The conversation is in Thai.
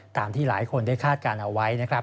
ตามที่หลายคนได้คาดการณ์เอาไว้นะครับ